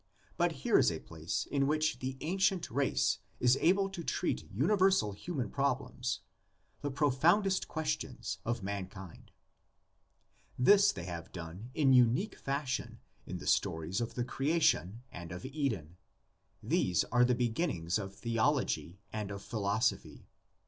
But here is a place in which the ancient race is able to treat universal human problems, the profoundest questions of mankind. 18 THE LEGENDS OF GENESIS. This they have done in unique fashion in the stories of the creation and of Eden: these are the begin nings of theology and of philosophy.